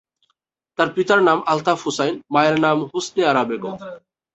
তার পিতার নাম আলতাফ হুসাইন, মায়ের নাম হোসনে আরা বেগম।